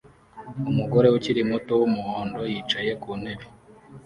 Umugore ukiri muto wumuhondo yicaye ku ntebe